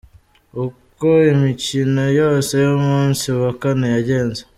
Uko imikino yose y’umunsi wa kane yagenze.